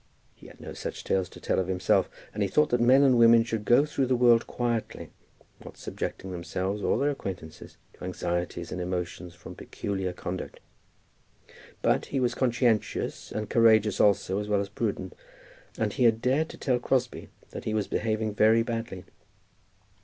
He had no such tales to tell of himself, and he thought that men and women should go through the world quietly, not subjecting themselves or their acquaintances to anxieties and emotions from peculiar conduct. But he was conscientious, and courageous also as well as prudent, and he had dared to tell Crosbie that he was behaving very badly.